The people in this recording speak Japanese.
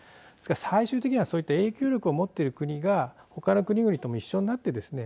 最終的にはそういった影響力を持っている国が他の国々とも一緒になってですね